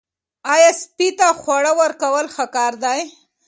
آیا سپي ته خواړه ورکول ښه کار دی؟